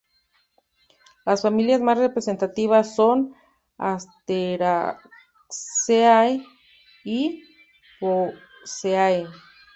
Las familias más representativas son "Asteraceae" y "Poaceae".